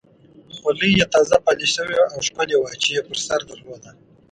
خولۍ یې تازه پالش شوې او ښکلې وه چې یې پر سر درلوده.